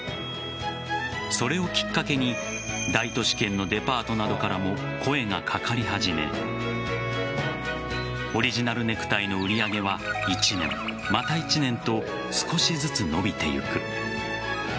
それをきっかけに大都市圏のデパートなどからも声が掛かり始めオリジナルネクタイの売り上げは１年、また１年と少しずつ伸びてゆく。